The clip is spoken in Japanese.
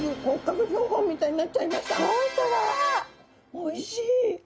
おいしい！